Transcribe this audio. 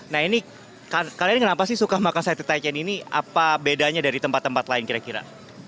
nah ini kalian kenapa sih suka makan sate taichen ini apa bedanya dari tempat tempat lain kira kira